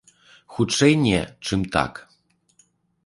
Хутчэй не, чым так.